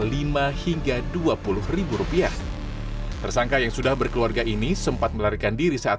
lima hingga dua puluh rupiah tersangka yang sudah berkeluarga ini sempat melarikan diri saat